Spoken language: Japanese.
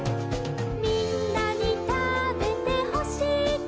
「みんなにたべてほしいから」